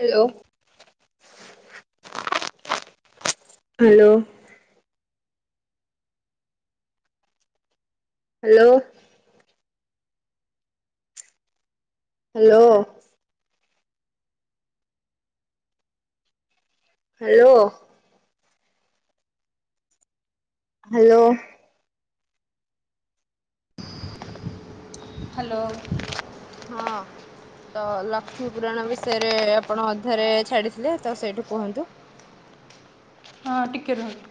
Hello hello hello hello hello hello hello ହଁ ଅ ତ ଲକ୍ଷ୍ମୀ ପୁରାଣ ବିଷୟରେ ଆପଣ ଅଧାରେ ଛାଡିଥିଲେ ତ ସେଇଠୁ କୁହନ୍ତୁ? ହଁ ଟିକେ ରୁହନ୍ତୁ।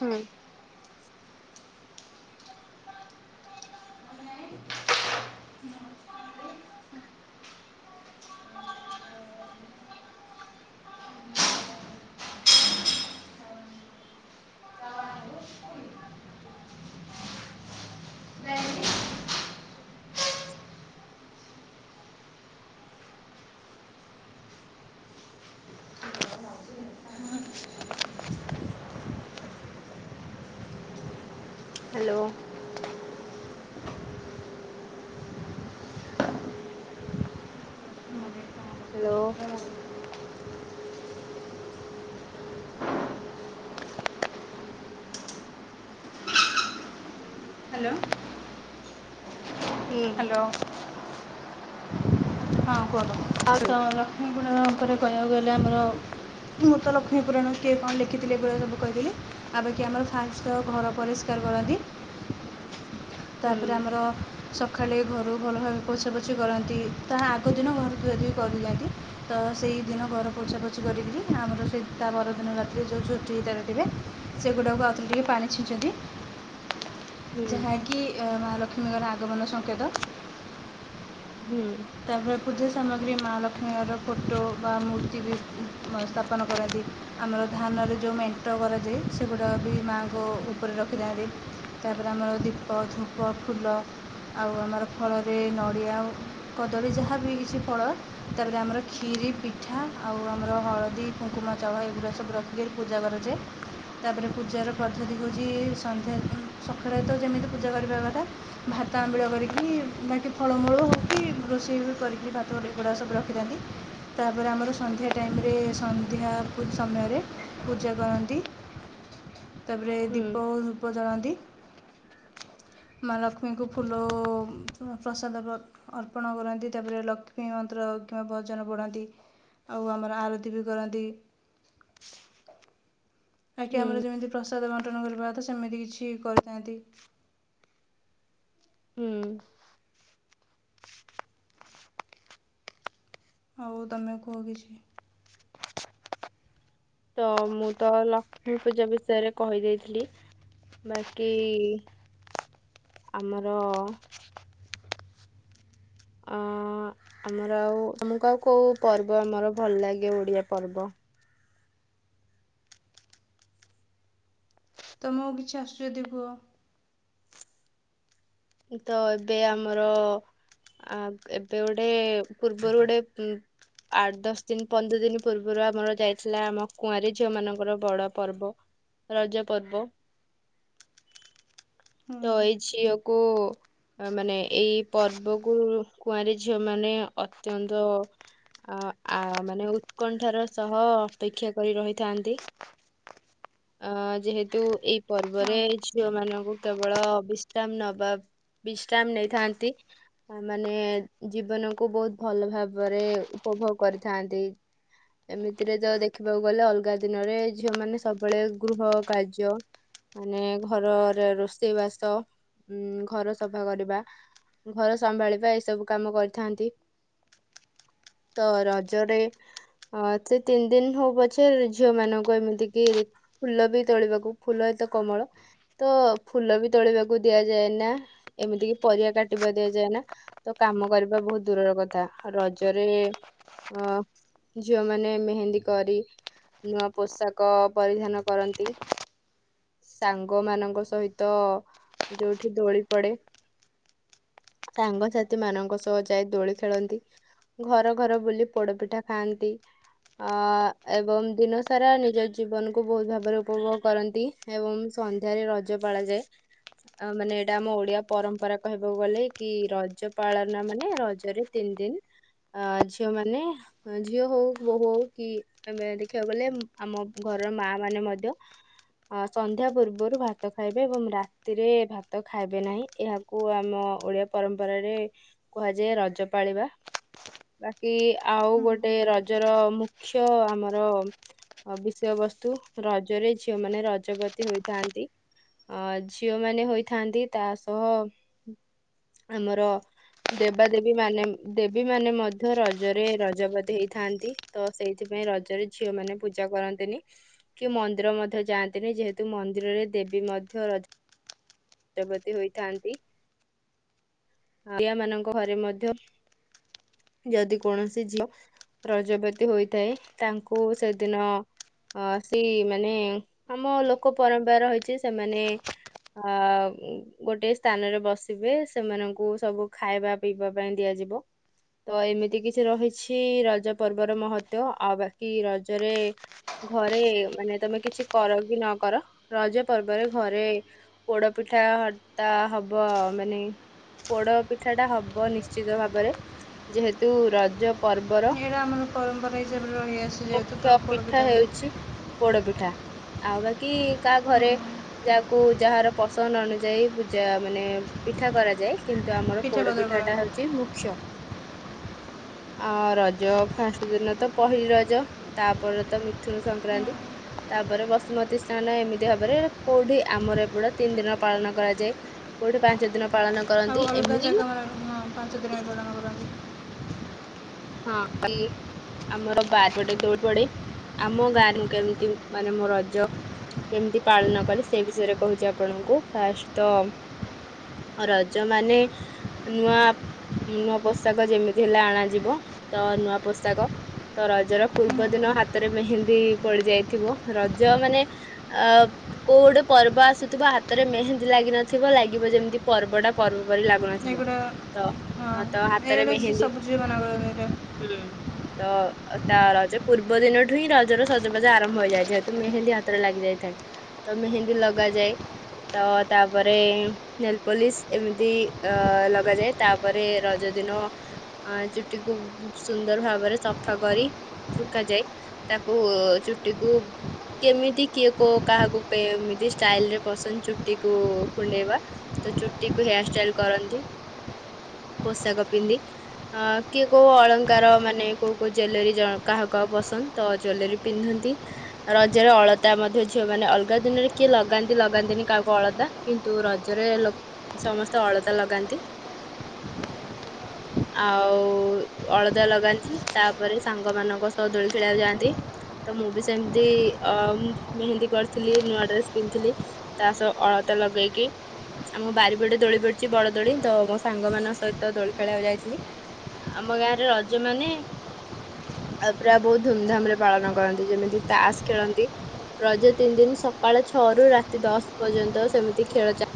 ହୁଁ ଉଁ [unintelligible] ହାଲୋ ହାଲୋ ହ୍ୟାଲୋ। ହୁଁ ହାଲୋ? ହଁ ହ୍ୟାଲୋ କୁହନ୍ତୁ, ଲକ୍ଷ୍ମୀପଣ ଉପରେ କହିବାକୁ ଗଲେ ଆମର ମୃତ ଲକ୍ଷ୍ମୀପୁରାଣ କିଏ କଣ ଲେଖିଥିଲେ ଏଗଳିଆ ସବୁ କହିଥିଲି, ଆପଖି ଆମର ଫାଷ୍ଟ ଘର ପରେ [unintelligible] ହୁଁ ତାପରେ ଆମର ସକାଳେ ଘରୁ ଭଲ ଭାବେ ପୋଛା ପୋଛି କରନ୍ତି, ତାହା ଆଗ ଦିନ ଘର ଦୁଏ ଦୁଇ କରିଦିଅନ୍ତି। ତ ସେହିଦିନ ଘର ପୋଛାପୋଛି କରିକିରି ଆମର ସେଇ ତା ପରଦିନ ରାତିରେ ଯେଉଁ ଛୁଟିିତରେ ଥିବେ। ସେଗୁଡ଼ାକୁ ଆଉଥରେ ଟିକେ ପାଣି ଛିଞ୍ଚନ୍ତି। [inaudible] ଯାହାକି ମାହା ଲକ୍ଷ୍ମୀଙ୍କର ଆଗମନ ସଂକେତ। ହୁଁ ଉ ତାପରେ ପୂଜା ସାମଗ୍ରୀ ମା ଲକ୍ଷ୍ମୀର ଫୋଟୋ ବା ମୂର୍ତ୍ତି ବି ସ୍ଥାପନ କରନ୍ତି। ଆମର ଧାନରେ ଯେଉଁ ମେଣ୍ଟ କରାଯାଏ, ସେଗୁଡ଼ାକ ବି ମାଆଙ୍କ ଉପରେ ରଖିଥାନ୍ତି। ତାପରେ ଆମର ଦୀପ, ଧୂପ, ଫୁଲ ଆଉ ଆମର ଫଳରେ ନଡ଼ିଆ ଆଉ କଦଳୀ ଯାହା ବି ହେଇ କିଛି ଫଳ, ତାର ଆମର କ୍ଷୀରି ପିଠା ଆଉ ଆମର ହଳଦୀ କୁଙ୍କୁମା ଚାଉଳ ଏଗୁଡ଼ା ସବୁ ରଖିକିରି ପୂଜା କରାଯାଏ। ତାପରେ ପୂଜାର ପଦ୍ଧତି ହେଉଛି ସନ୍ଧ୍ୟା ସକାଳେ ତ ଯେମିତି ପୂଜା କରିବା କଥା। ଭାତ ଆମ୍ବିଳ କରିକି ବାକି ଫଳମୂଳ ହେଉକି ରୋଷେଇ କରିକି ଭାତ ଗୋ ଏଗୁଡ଼ା ସବୁ ରଖିଥାନ୍ତି। ତାପରେ ଆମର ସନ୍ଧ୍ୟା ଟାଇମରେ, ସନ୍ଧ୍ୟା ସମୟରେ ପୂଜା କରନ୍ତି। [inaudible] ତାପରେ ହୁଁ ଦୀପ ଉପଜଳନ୍ତି, ମାଲକ୍ଷ୍ମୀଙ୍କୁ ଫୁଲ ପ୍ରସାଦ ଅର୍ପଣ କରନ୍ତି, ତାପରେ ଲକ୍ଷ୍ମୀ ମନ୍ତ୍ର କିମ୍ବା ଭଜନ ପଢ଼ାନ୍ତି। ଆଉ ଆମର ଆରତ ବି କରନ୍ତି। ବାକି ହୁଁ ଆମର ଯେମିତି ପ୍ରସାଦ ବଣ୍ଟନ କରିବା ତ ସେମିତି କିଛି କରିଥାନ୍ତି। ହୁଁ ଉଁ ହଉ ତମେ କୁହ କିଛି? ତ ମୁଁ ତ ଲକ୍ଷ୍ମୀ ପୂଜା ବିଷୟରେ କହିଦେଇଥିଲି। ବାକି ଆମର ଅ ଆମର ଆଉ ତମକୁ ଆଉ କୋଉ ପର୍ବ ଆମର ଭଲ ଲାଗେ ଓଡିଆ ପର୍ବ? ତୁମକୁ କିଛି ଆସୁଚି ଯଦି କୁହ? ତ ଏବେ ଆମର ଆ ଏବେ ଗୋଟେ ପୂର୍ବରୁ ଗୋଟେ ଆଠ ଦଶ ଦିନ ପନ୍ଦର ଦିନ ପୂର୍ବରୁ ଆମର ଯାଇଥିଲା ଆମ କୁଆଁର ଝିଅ ମାନଙ୍କର ବଡ ପର୍ବ। ରଜ ପର୍ବ ହୁଁ ତ ଏଇ ଝିଅକୁ ମାନେ ଏଇ ପର୍ବକୁ କୁଆଁରି ଝିଅ ମାନେ ଅତ୍ୟନ୍ତ ଅ ଆ ମାନେ ଉତ୍କଣ୍ଠାର ସହ ଅପେକ୍ଷା କରି ରହିଥାନ୍ତି। ଅ ଯେହେତୁ ଏଇ ପର୍ବରେ ହଁ ଝିଅ ମାନଙ୍କୁ କେବଳ ଅବିଶ୍ରାମ ନବା ବଶରାମ୍ ନେଇଥାନ୍ତି। ମାନେ ଜୀବନ କୁ ବହୁତ ଭଲ ଭାବରେ ଉପଭୋଗ କରିଥାନ୍ତି। ଏମିତିରେ ତ ଦେଖିବାକୁ ଗଲେ ଅଲଗା ଦିନରେ ଝିଅ ମାନେ ସବୁ ବେଳେ ଗୃହ କାର୍ଯ୍ୟ ମାନେ ଘରର ରୋଷେଇ ବାସ ଉ ଘର ସଫା କରିବା। ଘର ସମ୍ଭାଳିବା ଏଇ ସବୁ କାମ କରିଥାନ୍ତି। ତ ରଜରେ ହଁ ସେ ତିନି ଦିନ ହଉ ପଛେ ଝିଅ ମାନଙ୍କୁ ଏମିତି କି ଫୁଲ ବି ତୋଳିବାକୁ ଫୁଲ ଏତ କୋମଳ। ତ ଫୁଲ ବି ତୋଳିବାକୁ ଦିଆଯାଏନା। ଏମିତି କି ପରିବା କାଟିବା ଦିଆଯାଏନା। ତ କାମ କରିବା ବହୁତ ଦୂରର କଥା। ରଜରେ ଅ ଝିଅମାନେ ମେହେନ୍ଦୀ କରି ନୂଆ ପୋଷାକ ପରିଧାନ କରନ୍ତି। ସାଙ୍ଗ ମାନଙ୍କ ସହିତ ଯୋଉଠି ଦୋଳି ପଡେ ସାଙ୍ଗସାଥି ମାନଙ୍କ ସହ ଯାଇ ଦୋଳି ଖେଳନ୍ତି। ଘର ଘର ବୁଲି ପୋଡପିଠା ଖାଆନ୍ତି। ଅ ଏବଂ ଦିନ ସାରା ନିଜ ଜୀବନ କୁ ବହୁତ ଭାବରେ ଉପଭୋଗ କରନ୍ତି ଏବଂ ସନ୍ଧ୍ୟାରେ ରଜ ପାଳା ଯାଏ। ଆଉ ମାନେ ଏଇଟା ଆମ ଓଡିଆ ପରମ୍ପରା କହିବାକୁ ଗଲେ କି ରଜ ପାଳନ ମାନେ ରଜରେ ତିନି ଦିନି। ଅ ଝିଅ ମାନେ ଝିଅ ହଉ ବୋହ ହଉ କି ଏ ଦେଖିବାକୁ ଗଲେ ଆମ ଘରର ମା ମାନେ ମଧ୍ୟ ଅ ସନ୍ଧ୍ୟା ପୂର୍ବରୁ ଭାତ ଖାଇବେ ଏବଂ ରାତିରେ ଭାତ ଖାଇବେ ନାହିଁ। ଏହା କୁ ଆମ ଓଡିଆ ପରମ୍ପରାରେ କୁହାଯାଏ ରଜ ପାଳିବା। ବାକି ଆଉ ହୁଁ ଗୋଟେ ରଜର ମୁଖ୍ୟ ଆମର ବି ଖ୍ୟ ବସ୍ତୁ ରଜରେ ଝିଅ ମାନେ ରଜବତୀ ହୋଇଥାନ୍ତି। ଆ ଝିଅ ମାନେ ହୋଇଥାନ୍ତି ତା ସହ ଆମର ଦେବାଦେବୀ ମାନେ ଦେବୀ ମାନେ ମଧ୍ୟ ରଜରେ ରଜବତି ହେଇଥାନ୍ତି। ତ ସେଇଥିପାଇଁ ରଜରେ ଝିଅ ମାନ ପୂଜା କରନ୍ତି। ତିନି କି ମନ୍ଦିର ମଧ୍ୟ ଯାଆନ୍ତିନି। ଯେହେତୁ ମନ୍ଦିରରେ ଦେବୀ ମଧ୍ୟ ର ରଜବତୀ ହୋଇଥାନ୍ତି। ଆୟା ମାନଙ୍କ ଘରେ ମଧ୍ୟ ଯଦି କୌଣସି ଝିଅ ରଜ ବ୍ୟତୀ ହୋଇଥାଏ। ତାଙ୍କୁ ସେଦିନ ଅ ସେ ମାନେ ଆମ ଲୋକ ପରମ୍ପରା ରହିଚି ସେମାନେ ଆ ଗୋଟେ ସ୍ଥାନରେ ବସିବେ, ସେମାନଙ୍କୁ ସବୁ ଖାଇବା ପିଇବା ପାଇଁ ଦିଆଯିବ। ତ ଏମିତି କିଛି ରହିଚି ରଜ ପର୍ବର ମହତ୍ତ୍ୱ ଆଉ ବାକି ରଜରେ ଘରେ ମାନେ ତମେ କିଛି କର କି ନ କର। ରଜ ପର୍ବରେ ଘରେ ପୋଡ ପିଠା ହତା ହବ ମାନେ ପୋଡପିଠା ଟା ହବ ନିଶ୍ଚିତ ଭାବରେ। ଯେହେତୁ ରଜ ପର୍ବର ଏଇଟା ଆମର ପରମ୍ପରା ହିସାବରେ ରହିଆସିଛି। ଯେହେତୁ ମୁଖ୍ୟ ତ ପୋଡପି ପିଠା ହେଉଛି ପୋଡପିଠା ଆଉ ବାକି କାହା ଘରେ ହୁଁ ଯାହାକୁ ଯାହାର ପସନ୍ଦ ଅନୁଯାୟୀ ପୂଜା ମାନେ ପିଠା କରାଯାଏ। କିନ୍ତୁ ଆମର ପିଠାପତ୍ର ପୋଡପିଠାଟା କରନ୍ତି ହଉଛି ମୁଖ୍ୟ। ଅ ରଜ ଫାଷ୍ଟଦିନ ତ ପହିଲି ରଜ। ତାପରେ ତ ମିଥୁନ ହୁଁ ସଂକ୍ରାନ୍ତି। ତାପରେ ବସୁମତୀ ସ୍ନାନ ଏମିତି ଭାବରେ କୋଉଠି ଆମର ଏଗୁଡା ତିନି ଦିନ ପାଳନ କରାଯାଏ। କୋଉଠି ପାଞ୍ଚ ଦିନ ପାଳନ କରନ୍ତି ଆଉ ଅଲଗା ଏମିତି କି ଜାଗା ମ ହଁ ପାଞ୍ଚ ଦିନ [unintelligible] କରନ୍ତି ହଁ। [unintelligible] ଆମର ବାର ଗଟେ ଦୋଳି ପଡେ ଆମ ଗାଁରେ କେମିତି ମାନେ ମୋ ରଜ କେମିତି ପାଳନ କଲି ସେ ବିଷୟରେ କହୁଛି ଆପଣଙ୍କୁ ଫାଷ୍ଟ ତ ରଜ ମାନେ ନୂଆ ନୂଆ ପୋଷାକ ଯେମିତି ହେଲେ ଆଣାଯିବ ତ ନୂଆ ପୋଶାକ। ତ ରଜର ପୂର୍ବଦିନ ହାତରେ ମେହେନ୍ଦି ପଡି ଯାଇଥିବ। ରଜ ମାନେ ଅ କୋଉ ଗୋଟେ ପର୍ବ ଆସୁଥିବ ହାତରେ ମେହେନ୍ଦୀ ଲାଗିିନଥିବ ଲାଗିବ ଯେମିତି ପର୍ବଟା ପର୍ବପରି ଲାଗୁନଥିବ ଏଗୁଡ଼ା ତ ହଁ ତ ହାତରେ ଏଇଗୁଡ଼ା ମେହେନ୍ଦୀ [unintelligible] ହୁଁ। ତ ତା ରଜ ପୂର୍ବ ଦିନଠୁ ହିଁ ରଜର ସଜବାଜା ଆରମ୍ଭ ହୋଇଯାଇଥାଏ। ଯେହେତୁ ମେହେନ୍ଦୀ ହାତରେ ଲାଗି ଯାଇଥାଏ। ତ ମେହେନ୍ଦୀ ଲଗାଯାଏ। ତ ତାପରେ ନେଲ ପୋଲିସ ଏମିତି ଅ ଲଗାଯାଏ। ତାପରେ ରଜ ଦିନ ଚୁ ଟିକୁ ସୁନ୍ଦର ଭାବରେ ସଫା କରି ଶୁଖ ଯାଏ। ତାକୁ ଚୁଟିକୁ କେମିତି କିଏ କ କାହାକୁ କେମିତି ଷ୍ଟାଇଲରେ ପସନ୍ଦ ଚୁଟି କୁ କୁଣ୍ଡେଇବା ତ ଚୁଟିକୁୁ ହେୟାର ଷ୍ଟାଇଲ କରନ୍ତି। ପୋଷାକ ପିନ୍ଧି ଅ କିଏ କୋଉ ଅଳଙ୍କାର ମାନେ କୋଉ କୋଉ ଜଲେରୀ କାହାକୁ ପସନ୍ଦ ତ ଜ୍ୱଲେରି ପିନ୍ଧନ୍ତି। ରଜରେ ଅଳତା ମଧ୍ୟ ଝିଅମାନେ ଅଲଗା ଦିନରେ କିଏ ଲଗାନ୍ତି ଲଗାନ୍ତିନି କାହାକୁ ଅଳତା କିନ୍ତୁ ରଜରେ ଲ ସମସ୍ତେ ଅଳତା ଲଗାନ୍ତି। ଆଉ ଅଳତା ଲଗାନ୍ତି। ତାପରେ ସାଙ୍ଗମାନଙ୍କ ସହ ଦୋଳି ଖେଳିବାକୁ ଯାଆନ୍ତି। ତ ମୁଁ ବି ସେମିତି ଅ ମେହେନ୍ଦୀ କରିଥିଲି। ନୂଆ ଡ୍ରେସ ପିନ୍ଧିଥିଲି। ତା ସହ ଅଳତା ଲଗେଇକି। ଆମ ବାରିପଟେ ଦୋଳି ପଡିଛି ବଡ ଦୋଳି ତ ମୋ ସାଙ୍ଗ ମାନଙ୍କ ସହିତ ଦୋଳି ଖେଳିବାକୁ ଯାଇଥିଲି। ଆମ ଗାଁରେ ରଜ ମାନେ ଆଉ ପୁରା ବହୁତ ଧୁମଧାମରେ ପାଳନ କରନ୍ତି ଯେମିତି ତାସ ଖେଳନ୍ତି। ରଜ ତିନିଦିନ ସକାଳ ଛଅରୁ ରାତି ଦଶ ପର୍ଯ୍ୟନ୍ତ ସେମିତି ଖେଳ ଚାଲି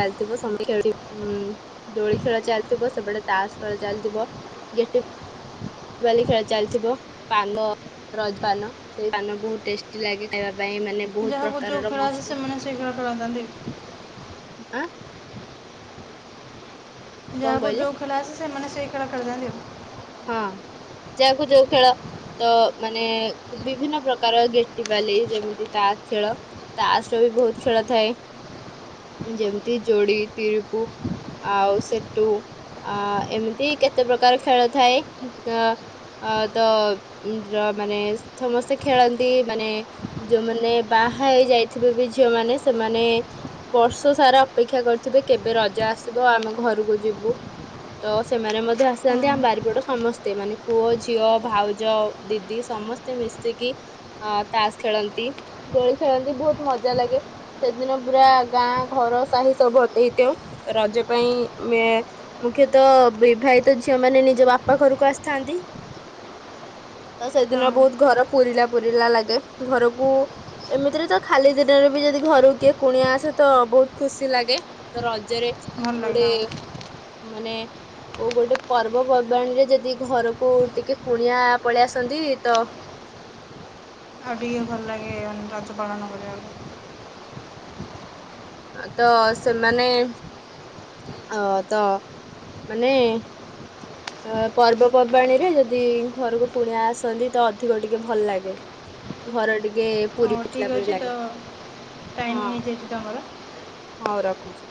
ଖଲଥିବ ଖେଳୁ ଦୋଳି ଖେଳ ଚାଲିଥିବ, ସେପଟେ ତାସ ଖେଳ ଚାଲିଥିବ ବାଲି ଖେଳ ଚାଲିଥିବ, ପାନ ରଜପାନ ସେଇ ପାନ ବହୁତ ଟେଷ୍ଟ [unintelligible] ଖାଇବା ପାଇଁ ମାନେ ବହୁତ ଯାହାକୁ ଯୋଉ ପ୍ରକାରର ଖେଳ ଆସେ ମସଲା ସେମାନେ ସେଇ ଖେଳ [unintelligible] ଆଁ। କଣ ଯାହାକୁ କହିଲେ ଯୋଉ ଖେଳ ଆସେ ସେମାନେ ସେଇ ଖେଳା ଖେଳିଥାନ୍ତି। ହଁ ଯାହାକୁ ଯୋଉ ଖେଳ ତ ମାନେ ବିଭିନ୍ନ ପ୍ରକାର ଗେଟିିବାଲି ଯେମିତି ତାସ ଖେଳ ତାସର ବି ବହୁତ ଖେଳ ଥାଏ। ଯେମତି ଯୋଡି, ତିରିପୁ ଆଉ ସେଟୁ ଅ ଏମିତି କେତେ ପ୍ରକାର ଖେଳ ଥାଏ ଆଁ। ଅ ତ [unintelligible] ମାନେ ସମସ୍ତେ ଖେଳନ୍ତି ମାନେ ଯୋଉମାନେ ବାହା ହେଇ ଯାଇଥିବେ ବି ଝିଅମାନେ ସେମାନେ ବର୍ଷ ସାରା ଅପେକ୍ଷା କରିଥିବେ କେବେ ରଜ ଆସିବ ଆମେ ଘରକୁ ଯିବୁ। ତ ସେମାନେ ମଧ୍ୟ ଆସିଥାନ୍ତି ଆମ ବାରିପଟ ସମସ୍ତେ ମାନେ ପୁଅ ଝିଅ ଭାଉଜ ଦିଦି ସମସ୍ତେ ତେ ମିଶିକି ଆଁ ତାସ ଖେଳନ୍ତି ଦୋଳି ଖେଳନ୍ତି ବହୁତ ମଜା ଲାଗେ ସେଦିନ ପୁରା ଗାଁ ଘର ସାହି ସବୁ ଭର୍ତ୍ତି ହେଇଥିବ ରଜ ପାଇଁ ମୁଖ୍ୟତଃ ବିବାହିତ ଝିଅ ମାନ ନିଜ ବାପା ଘରକୁ ଆସିଥାନ୍ତି। ତ ସେଦିନ ହଁ ବହୁତ ଘର ପୁରିଲା ପୁୁରିଲା ଲାଗେ ଘରକୁ ଏମିତିରେ ତ ଖାଲି ଦିନରେ ବି ଯଦି ଘରୁକୁ କିଏ କୁଣିଆ ଆସେ ତ ବହୁତ ଖୁସି ଲାଗେ ତ ରଜରେ ଭଲ ଲାଗେ ଗୋଟେ ହଁ ମାନେ କୋଉ ଗୋଟେ ପର୍ବ ପର୍ବାଣୀରେ ଯଦି ଘରକୁ ଟିକେ କୁଣିଆ ପଳେଇ ଆସନ୍ତି ତ ଆଉ ଟିକେ ଭଲ ଲାଗେ ରଜ ପାଳନ କରିବାକୁ। ତ ସେମାନେ ଅ ତ ମାନେ ଅ ପର୍ବପର୍ବାଣି ରେ ଯଦି ଘରକୁ କୁଣିଆ ଆସନ୍ତି ତ ଅଧିକ ଟିକେ ଭଲ ଲାଗେ। ଘର ଟିକେ ପୁରି ହଉ ଉଠିଲା ଠିକ୍ ପରି ଅଛି ଲାଗେ ତ ଟାଇମ୍ ହଁ ହେଇଯାଇଛି ତମର? ହଉ ରଖୁଛି।